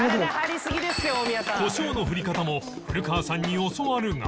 コショウの振り方も古川さんに教わるが